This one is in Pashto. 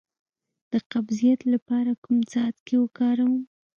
د قبضیت لپاره کوم څاڅکي وکاروم؟